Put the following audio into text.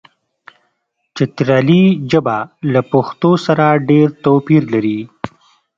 چترالي ژبه له پښتو سره ډېر توپیر لري.